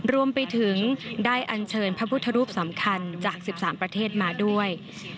รวมไปถึงได้อันเชิญพระพุทธรูปสำคัญจาก๑๓ประเทศมาด้วย